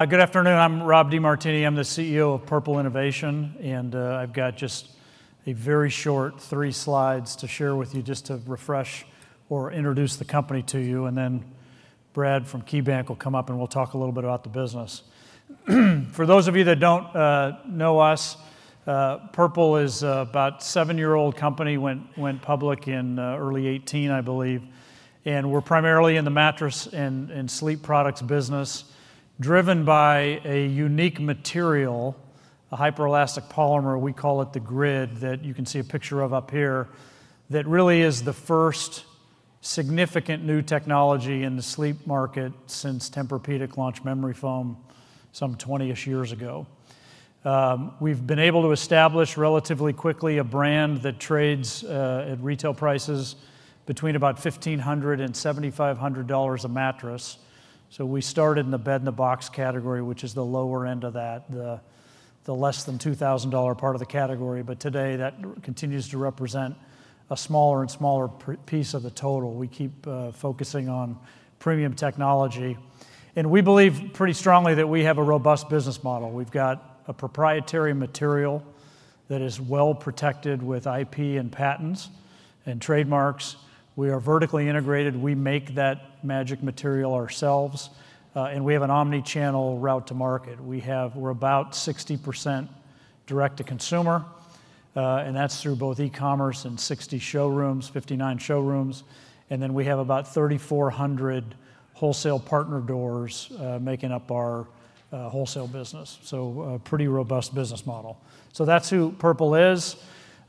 Good afternoon. I'm Rob DeMartini. I'm the CEO of Purple Innovation, and I've got just a very short three slides to share with you, just to refresh or introduce the company to you, and then Brad from KeyBank will come up, and we'll talk a little bit about the business. For those of you that don't know us, Purple is about a seven-year-old company. It went public in early 2018, I believe, and we're primarily in the mattress and sleep products business, driven by a unique material, a hyperelastic polymer. We call it the grid that you can see a picture of up here. That really is the first significant new technology in the sleep market since Tempur-Pedic launched memory foam some 20-ish years ago. We've been able to establish relatively quickly a brand that trades at retail prices between about $1,500-$7,500 a mattress. So we started in the bed-in-the-box category, which is the lower end of that, the less than $2,000 part of the category. But today, that continues to represent a smaller and smaller piece of the total. We keep focusing on premium technology. And we believe pretty strongly that we have a robust business model. We've got a proprietary material that is well protected with IP and patents and trademarks. We are vertically integrated. We make that magic material ourselves. And we have an omnichannel route to market. We're about 60% direct-to-consumer. And that's through both e-commerce and 59 showrooms. And then we have about 3,400 wholesale partner doors making up our wholesale business. So a pretty robust business model. So that's who Purple is.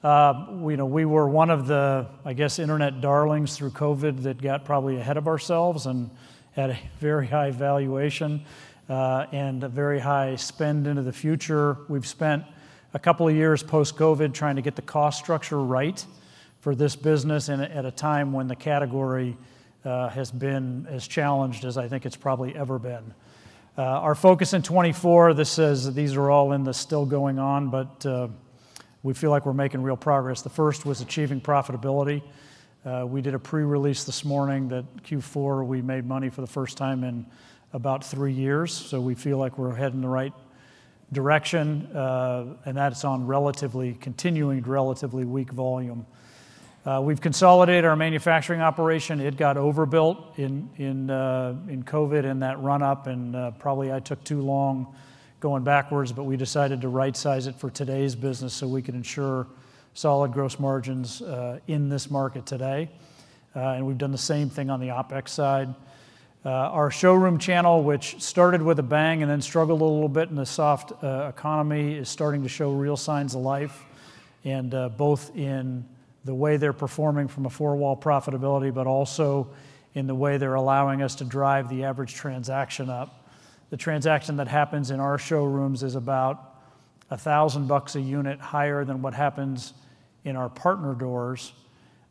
We were one of the, I guess, internet darlings through COVID that got probably ahead of ourselves and had a very high valuation and a very high spend into the future. We've spent a couple of years post-COVID trying to get the cost structure right for this business at a time when the category has been as challenged as I think it's probably ever been. Our focus in 2024, this is these are all still going on, but we feel like we're making real progress. The first was achieving profitability. We did a pre-release this morning that Q4 we made money for the first time in about three years. So we feel like we're heading in the right direction, and that's on relatively continuing relatively weak volume. We've consolidated our manufacturing operation. It got overbuilt in COVID and that run-up. Probably I took too long going backwards, but we decided to right-size it for today's business so we can ensure solid gross margins in this market today. We've done the same thing on the OPEX side. Our showroom channel, which started with a bang and then struggled a little bit in the soft economy, is starting to show real signs of life. Both in the way they're performing from a four-wall profitability, but also in the way they're allowing us to drive the average transaction up. The transaction that happens in our showrooms is about $1,000 a unit higher than what happens in our partner doors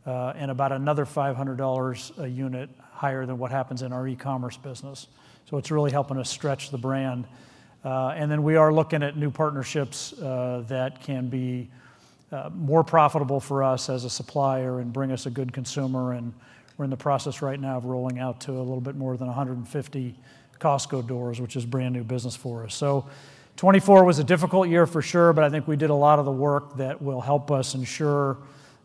and about another $500 a unit higher than what happens in our e-commerce business. It's really helping us stretch the brand. And then we are looking at new partnerships that can be more profitable for us as a supplier and bring us a good consumer. And we're in the process right now of rolling out to a little bit more than 150 Costco doors, which is brand new business for us. So 2024 was a difficult year for sure, but I think we did a lot of the work that will help us ensure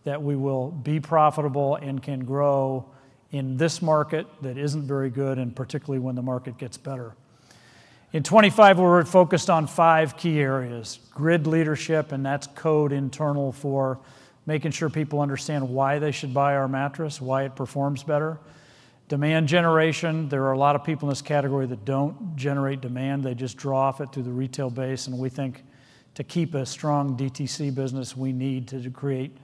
that we will be profitable and can grow in this market that isn't very good, and particularly when the market gets better. In 2025, we were focused on five key areas: grid leadership, and that's code internal for making sure people understand why they should buy our mattress, why it performs better. Demand generation. There are a lot of people in this category that don't generate demand. They just draw off it through the retail base. And we think to keep a strong DTC business, we need to create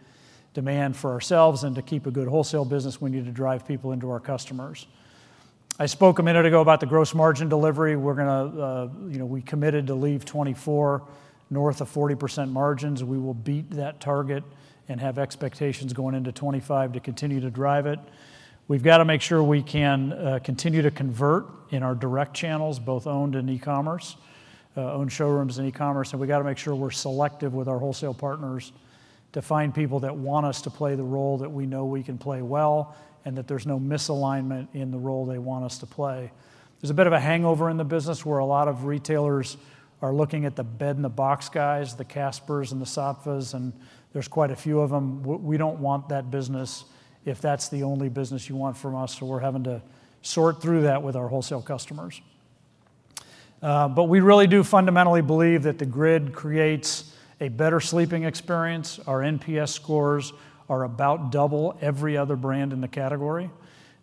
demand for ourselves. And to keep a good wholesale business, we need to drive people into our customers. I spoke a minute ago about the gross margin delivery. We're going to, we committed to leave 2024 north of 40% margins. We will beat that target and have expectations going into 2025 to continue to drive it. We've got to make sure we can continue to convert in our direct channels, both owned and e-commerce, owned showrooms and e-commerce. And we've got to make sure we're selective with our wholesale partners to find people that want us to play the role that we know we can play well and that there's no misalignment in the role they want us to play. There's a bit of a hangover in the business where a lot of retailers are looking at the bed-in-the-box guys, the Caspers and the Saatvas, and there's quite a few of them. We don't want that business if that's the only business you want from us. So we're having to sort through that with our wholesale customers. But we really do fundamentally believe that the grid creates a better sleeping experience. Our NPS scores are about double every other brand in the category.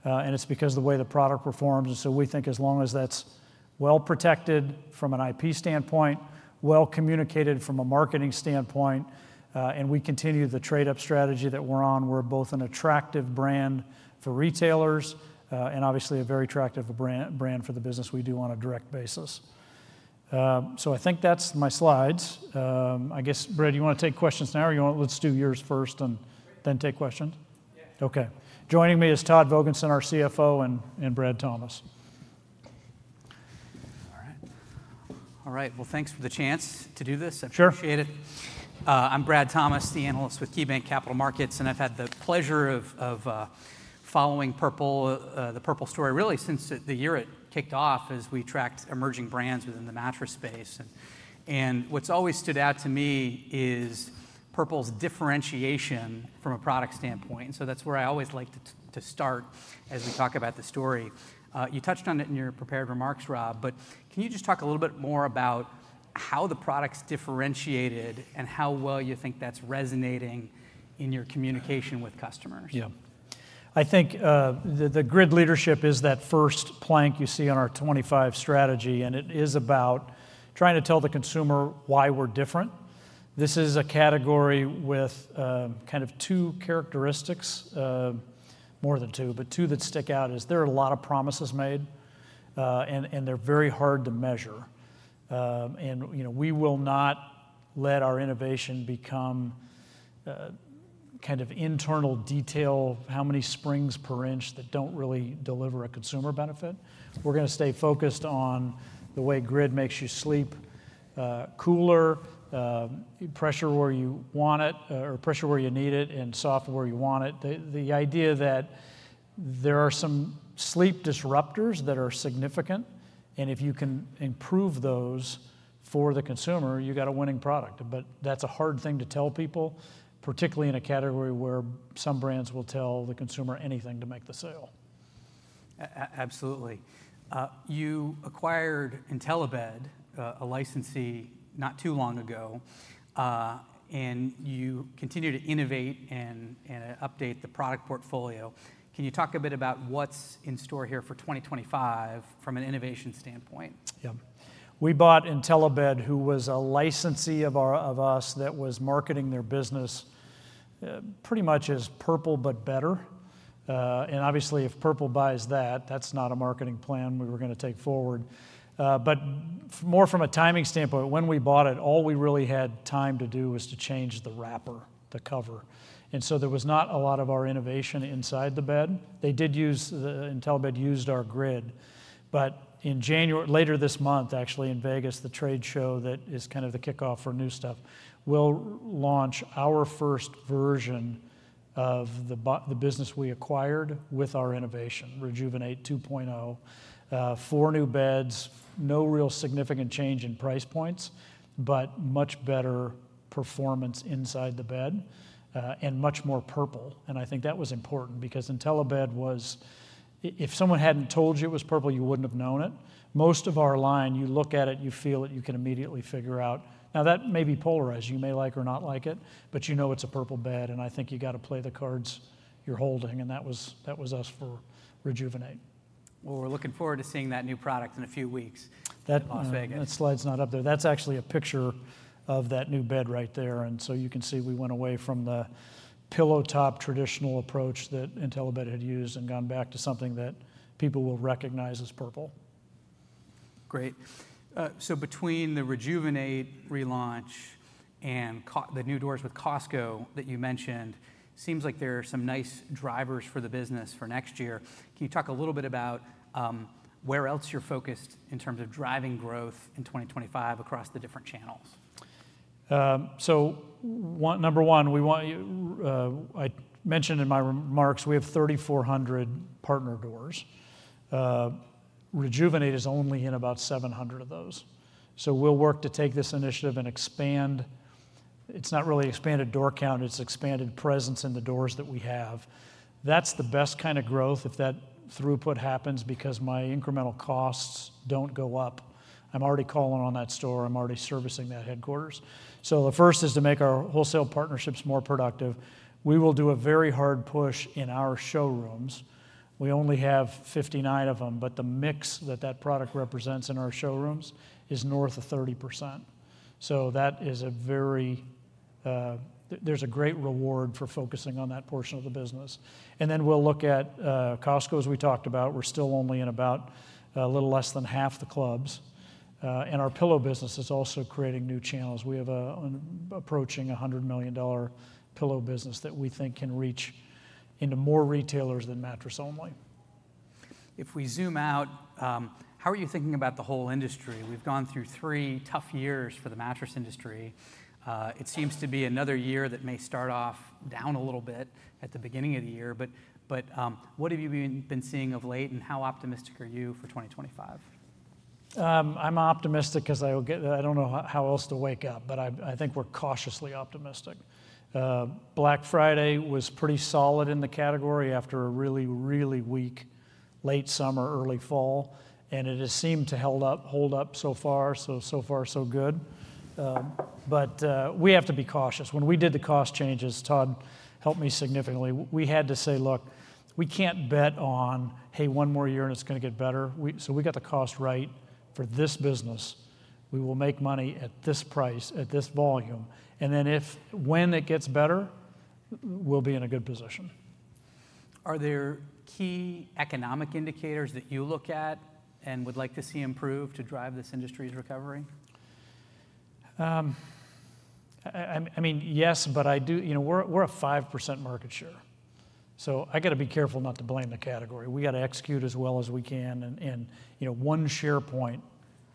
And it's because of the way the product performs. And so we think as long as that's well protected from an IP standpoint, well communicated from a marketing standpoint, and we continue the trade-up strategy that we're on, we're both an attractive brand for retailers and obviously a very attractive brand for the business we do on a direct basis. So I think that's my slides. I guess, Brad, you want to take questions now or you want to let's do yours first and then take questions? Yeah. Okay. Joining me is Todd Vogensen, our CFO, and Brad Thomas. All right. All right. Well, thanks for the chance to do this. I appreciate it. I'm Brad Thomas, the analyst with KeyBank Capital Markets, and I've had the pleasure of following Purple, the Purple story really since the year it kicked off as we tracked emerging brands within the mattress space, and what's always stood out to me is Purple's differentiation from a product standpoint, and so that's where I always like to start as we talk about the story. You touched on it in your prepared remarks, Rob, but can you just talk a little bit more about how the product's differentiated and how well you think that's resonating in your communication with customers? Yeah. I think the grid leadership is that first plank you see on our 2025 strategy, and it is about trying to tell the consumer why we're different. This is a category with kind of two characteristics, more than two, but two that stick out is there are a lot of promises made, and they're very hard to measure. And we will not let our innovation become kind of internal detail, how many springs per inch that don't really deliver a consumer benefit. We're going to stay focused on the way grid makes you sleep cooler, pressure where you want it or pressure where you need it and soft where you want it. The idea that there are some sleep disruptors that are significant, and if you can improve those for the consumer, you've got a winning product. But that's a hard thing to tell people, particularly in a category where some brands will tell the consumer anything to make the sale. Absolutely. You acquired Intellibed, a licensee not too long ago, and you continue to innovate and update the product portfolio. Can you talk a bit about what's in store here for 2025 from an innovation standpoint? Yeah. We bought Intellibed, who was a licensee of us that was marketing their business pretty much as Purple, but better. And obviously, if Purple buys that, that's not a marketing plan we were going to take forward. But more from a timing standpoint, when we bought it, all we really had time to do was to change the wrapper, the cover. And so there was not a lot of our innovation inside the bed. They did use Intellibed, used our grid. But later this month, actually in Vegas, the trade show that is kind of the kickoff for new stuff, we'll launch our first version of the business we acquired with our innovation, Rejuvenate 2.0, four new beds, no real significant change in price points, but much better performance inside the bed and much more Purple. And I think that was important because Intellibed was, if someone hadn't told you it was Purple, you wouldn't have known it. Most of our line, you look at it, you feel it, you can immediately figure out. Now, that may be polarized. You may like or not like it, but you know it's a Purple bed. And I think you've got to play the cards you're holding. And that was us for Rejuvenate. We're looking forward to seeing that new product in a few weeks in Las Vegas. That slide's not up there. That's actually a picture of that new bed right there, and so you can see we went away from the pillow top traditional approach that Intellibed had used and gone back to something that people will recognize as Purple. Great. So between the Rejuvenate relaunch and the new doors with Costco that you mentioned, it seems like there are some nice drivers for the business for next year. Can you talk a little bit about where else you're focused in terms of driving growth in 2025 across the different channels? So number one, I mentioned in my remarks, we have 3,400 partner doors. Rejuvenate is only in about 700 of those. So we'll work to take this initiative and expand. It's not really expanded door count. It's expanded presence in the doors that we have. That's the best kind of growth if that throughput happens because my incremental costs don't go up. I'm already calling on that store. I'm already servicing that headquarters. So the first is to make our wholesale partnerships more productive. We will do a very hard push in our showrooms. We only have 59 of them, but the mix that that product represents in our showrooms is north of 30%. So that is a very, there's a great reward for focusing on that portion of the business. And then we'll look at Costco, as we talked about. We're still only in about a little less than half the clubs. And our pillow business is also creating new channels. We have an approaching $100 million pillow business that we think can reach into more retailers than mattress only. If we zoom out, how are you thinking about the whole industry? We've gone through three tough years for the mattress industry. It seems to be another year that may start off down a little bit at the beginning of the year. But what have you been seeing of late and how optimistic are you for 2025? I'm optimistic because I don't know how else to wake up, but I think we're cautiously optimistic. Black Friday was pretty solid in the category after a really, really weak late summer, early fall, and it has seemed to hold up so far, so far, so good, but we have to be cautious. When we did the cost changes, Todd helped me significantly. We had to say, "Look, we can't bet on, hey, one more year and it's going to get better," so we got the cost right for this business. We will make money at this price, at this volume, and then if, when it gets better, we'll be in a good position. Are there key economic indicators that you look at and would like to see improved to drive this industry's recovery? I mean, yes, but I do. We're a 5% market share. So I got to be careful not to blame the category. We got to execute as well as we can, and one share point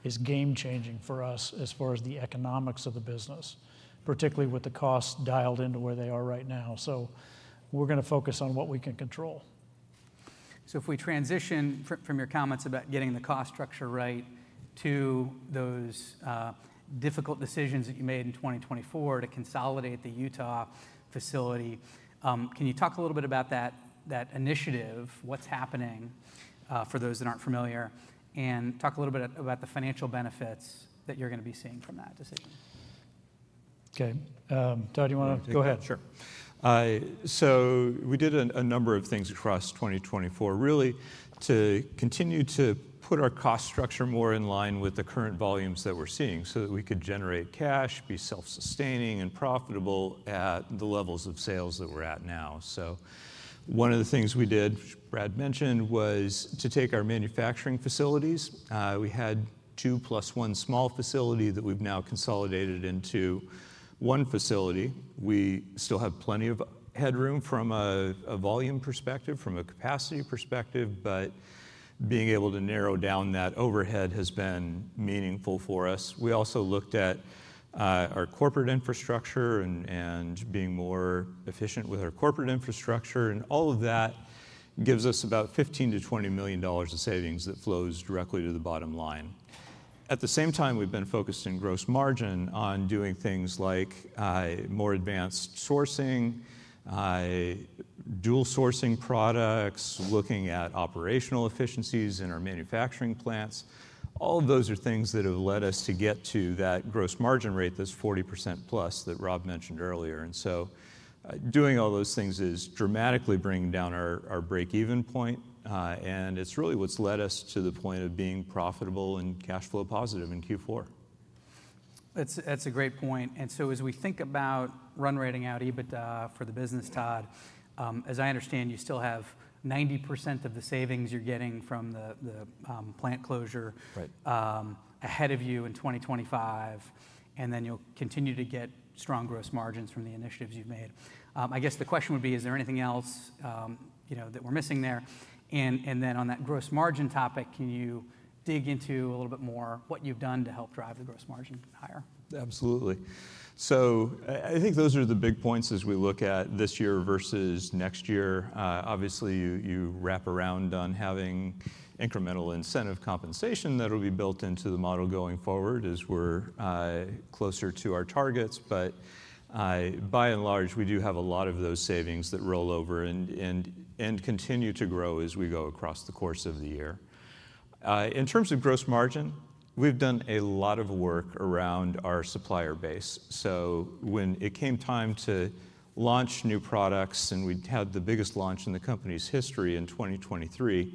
is game-changing for us as far as the economics of the business, particularly with the costs dialed into where they are right now. So we're going to focus on what we can control. So if we transition from your comments about getting the cost structure right to those difficult decisions that you made in 2024 to consolidate the Utah facility, can you talk a little bit about that initiative, what's happening for those that aren't familiar, and talk a little bit about the financial benefits that you're going to be seeing from that decision? Okay. Todd, you want to go ahead? Sure. So we did a number of things across 2024, really to continue to put our cost structure more in line with the current volumes that we're seeing so that we could generate cash, be self-sustaining and profitable at the levels of sales that we're at now. So one of the things we did, Brad mentioned, was to take our manufacturing facilities. We had two plus one small facility that we've now consolidated into one facility. We still have plenty of headroom from a volume perspective, from a capacity perspective, but being able to narrow down that overhead has been meaningful for us. We also looked at our corporate infrastructure and being more efficient with our corporate infrastructure. And all of that gives us about $15 million-$20 million of savings that flows directly to the bottom line. At the same time, we've been focused in gross margin on doing things like more advanced sourcing, dual sourcing products, looking at operational efficiencies in our manufacturing plants. All of those are things that have led us to get to that gross margin rate that's 40% plus that Rob mentioned earlier. And so doing all those things is dramatically bringing down our break-even point. And it's really what's led us to the point of being profitable and cash flow positive in Q4. That's a great point. And so as we think about run rating out EBITDA for the business, Todd, as I understand, you still have 90% of the savings you're getting from the plant closure ahead of you in 2025. And then you'll continue to get strong gross margins from the initiatives you've made. I guess the question would be, is there anything else that we're missing there? On that gross margin topic, can you dig into a little bit more what you've done to help drive the gross margin higher? Absolutely. So I think those are the big points as we look at this year versus next year. Obviously, you wrap around on having incremental incentive compensation that will be built into the model going forward as we're closer to our targets. But by and large, we do have a lot of those savings that roll over and continue to grow as we go across the course of the year. In terms of gross margin, we've done a lot of work around our supplier base. So when it came time to launch new products and we'd had the biggest launch in the company's history in 2023,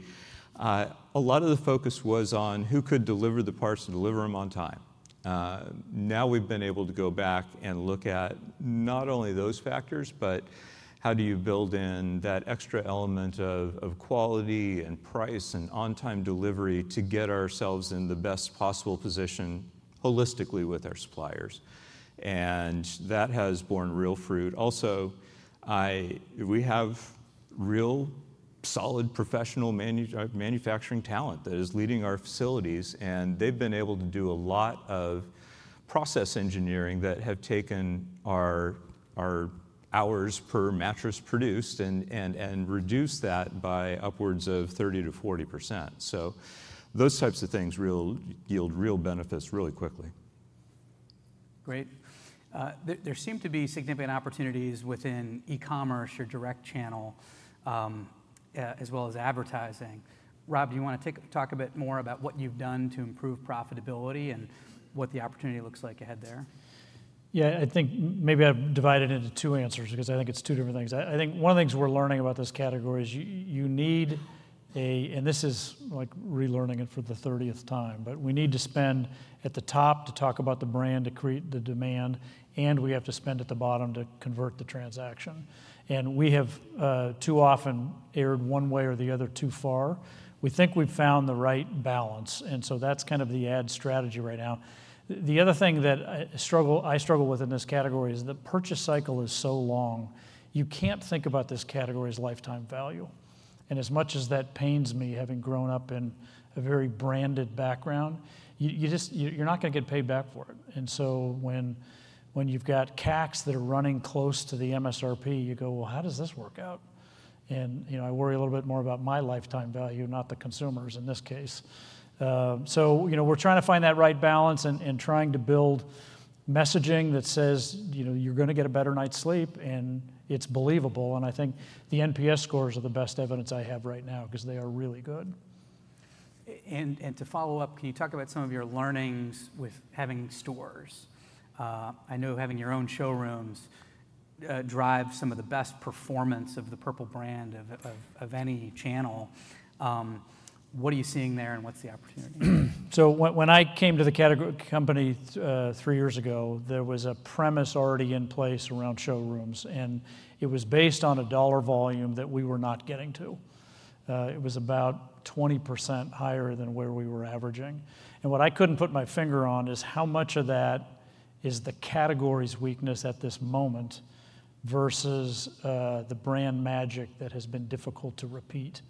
a lot of the focus was on who could deliver the parts and deliver them on time. Now we've been able to go back and look at not only those factors, but how do you build in that extra element of quality and price and on-time delivery to get ourselves in the best possible position holistically with our suppliers. And that has borne real fruit. Also, we have real solid professional manufacturing talent that is leading our facilities. And they've been able to do a lot of process engineering that have taken our hours per mattress produced and reduced that by upwards of 30%-40%. So those types of things yield real benefits really quickly. Great. There seem to be significant opportunities within e-commerce or direct channel as well as advertising. Rob, do you want to talk a bit more about what you've done to improve profitability and what the opportunity looks like ahead there? Yeah, I think maybe I've divided it into two answers because I think it's two different things. I think one of the things we're learning about this category is you need a, and this is like relearning it for the 30th time, but we need to spend at the top to talk about the brand, to create the demand, and we have to spend at the bottom to convert the transaction. And we have too often erred one way or the other too far. We think we've found the right balance. And so that's kind of the ad strategy right now. The other thing that I struggle with in this category is the purchase cycle is so long. You can't think about this category as lifetime value. And as much as that pains me, having grown up in a very branded background, you're not going to get paid back for it. And so when you've got CACs that are running close to the MSRP, you go, "Well, how does this work out?" And I worry a little bit more about my lifetime value, not the consumers in this case. So we're trying to find that right balance and trying to build messaging that says you're going to get a better night's sleep, and it's believable. And I think the NPS scores are the best evidence I have right now because they are really good. And to follow up, can you talk about some of your learnings with having stores? I know having your own showrooms drives some of the best performance of the Purple brand of any channel. What are you seeing there and what's the opportunity? When I came to the company three years ago, there was a premise already in place around showrooms. It was based on a dollar volume that we were not getting to. It was about 20% higher than where we were averaging. What I couldn't put my finger on is how much of that is the category's weakness at this moment versus the brand magic that has been difficult to repeat.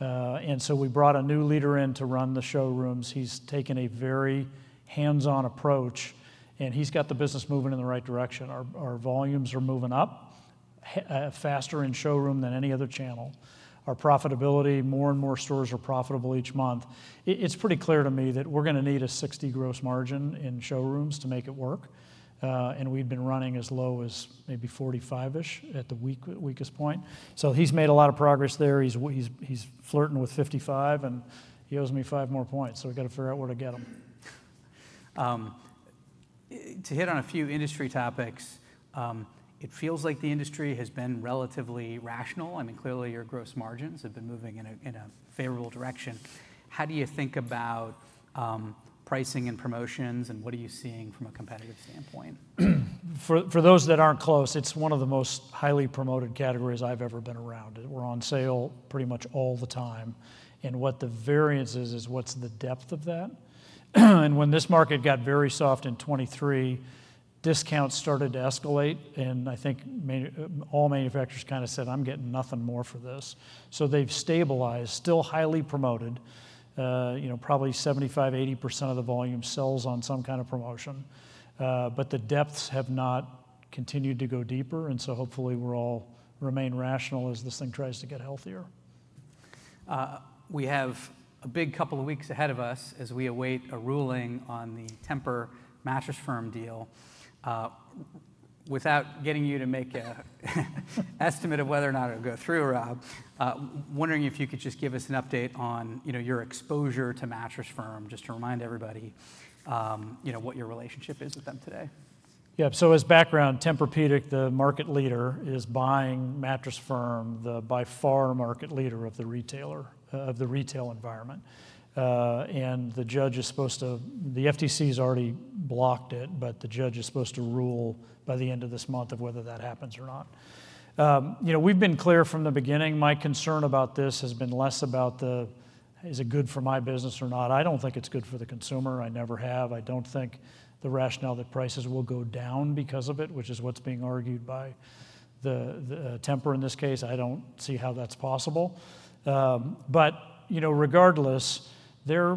We brought a new leader in to run the showrooms. He's taken a very hands-on approach, and he's got the business moving in the right direction. Our volumes are moving up faster in showroom than any other channel. Our profitability, more and more stores are profitable each month. It's pretty clear to me that we're going to need a 60% gross margin in showrooms to make it work. We've been running as low as maybe 45-ish% at the weakest point. He's made a lot of progress there. He's flirting with 55%, and he owes me five more points. We got to figure out where to get them. To hit on a few industry topics, it feels like the industry has been relatively rational. I mean, clearly your gross margins have been moving in a favorable direction. How do you think about pricing and promotions, and what are you seeing from a competitive standpoint? For those that aren't close, it's one of the most highly promoted categories I've ever been around. We're on sale pretty much all the time. And what the variance is, is what's the depth of that. And when this market got very soft in 2023, discounts started to escalate. And I think all manufacturers kind of said, "I'm getting nothing more for this." So they've stabilized, still highly promoted, probably 75%-80% of the volume sells on some kind of promotion. But the depths have not continued to go deeper. And so hopefully we'll all remain rational as this thing tries to get healthier. We have a big couple of weeks ahead of us as we await a ruling on the Tempur-Pedic Mattress Firm deal. Without getting you to make an estimate of whether or not it'll go through, Rob, wondering if you could just give us an update on your exposure to Mattress Firm, just to remind everybody what your relationship is with them today. Yeah, so as background, Tempur-Pedic, the market leader, is buying Mattress Firm, the by far market leader of the retail environment. And the judge is supposed to, the FTC has already blocked it, but the judge is supposed to rule by the end of this month on whether that happens or not. We've been clear from the beginning. My concern about this has been less about the, is it good for my business or not? I don't think it's good for the consumer. I never have. I don't think the rationale that prices will go down because of it, which is what's being argued by the Tempur in this case. I don't see how that's possible. But regardless, they're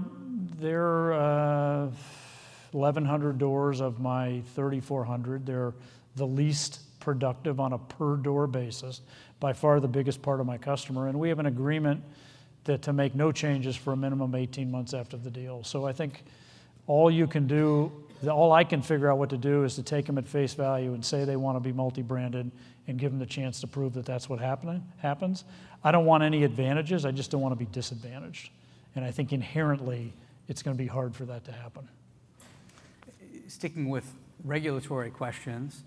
1,100 doors of my 3,400. They're the least productive on a per-door basis, by far the biggest part of my customer. And we have an agreement to make no changes for a minimum of 18 months after the deal. So I think all I can figure out what to do is to take them at face value and say they want to be multi-branded and give them the chance to prove that that's what happens. I don't want any advantages. I just don't want to be disadvantaged. And I think inherently it's going to be hard for that to happen. Sticking with regulatory questions,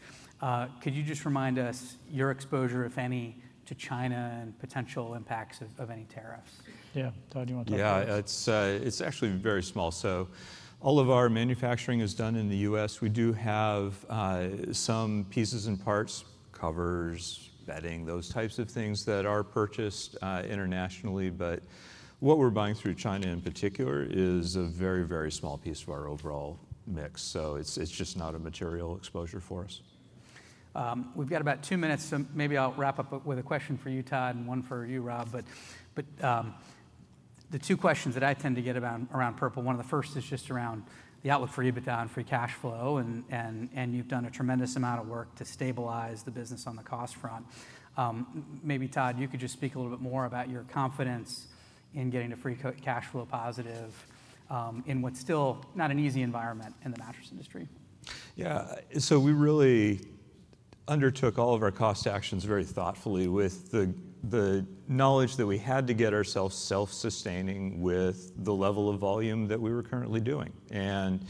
could you just remind us your exposure, if any, to China and potential impacts of any tariffs? Yeah, Todd, do you want to talk about that? Yeah, it's actually very small. So all of our manufacturing is done in the U.S. We do have some pieces and parts, covers, bedding, those types of things that are purchased internationally. But what we're buying through China in particular is a very, very small piece of our overall mix. So it's just not a material exposure for us. We've got about two minutes, so maybe I'll wrap up with a question for you, Todd, and one for you, Rob. But the two questions that I tend to get around Purple, one of the first is just around the outlook for EBITDA and free cash flow, and you've done a tremendous amount of work to stabilize the business on the cost front. Maybe Todd, you could just speak a little bit more about your confidence in getting a free cash flow positive in what's still not an easy environment in the mattress industry. Yeah, so we really undertook all of our cost actions very thoughtfully with the knowledge that we had to get ourselves self-sustaining with the level of volume that we were currently doing. And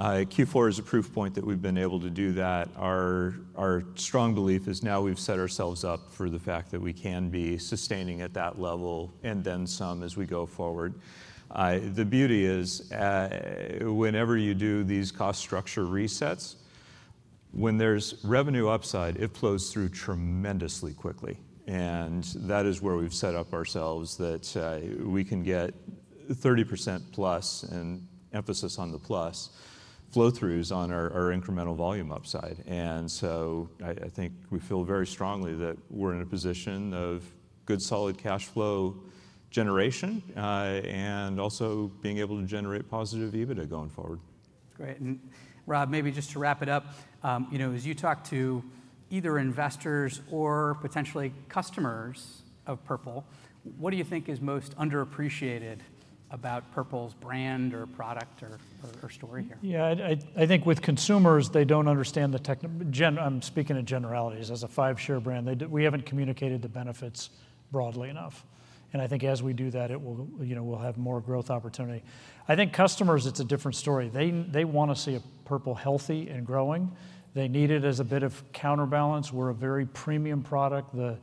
Q4 is a proof point that we've been able to do that. Our strong belief is now we've set ourselves up for the fact that we can be sustaining at that level and then some as we go forward. The beauty is whenever you do these cost structure resets, when there's revenue upside, it flows through tremendously quickly. And that is where we've set up ourselves that we can get 30% plus and emphasis on the plus flow-throughs on our incremental volume upside. And so I think we feel very strongly that we're in a position of good solid cash flow generation and also being able to generate positive EBITDA going forward. Great. And Rob, maybe just to wrap it up, as you talk to either investors or potentially customers of Purple, what do you think is most underappreciated about Purple's brand or product or story here? Yeah, I think with consumers, they don't understand the technical. I'm speaking in generalities. As a five-share brand, we haven't communicated the benefits broadly enough, and I think as we do that, we'll have more growth opportunity. I think customers, it's a different story. They want to see a Purple healthy and growing. They need it as a bit of counterbalance. We're a very premium product. The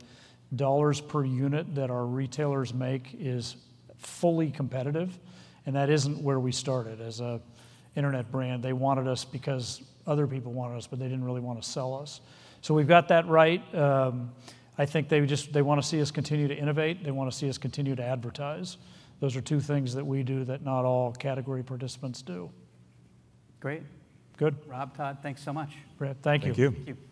dollars per unit that our retailers make is fully competitive, and that isn't where we started. As an internet brand, they wanted us because other people wanted us, but they didn't really want to sell us, so we've got that right. I think they want to see us continue to innovate. They want to see us continue to advertise. Those are two things that we do that not all category participants do. Great. Good. Rob, Todd, thanks so much. Thank you. Thank you.